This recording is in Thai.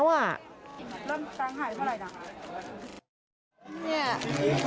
เริ่มแตงหายเท่าไหร่นะคะ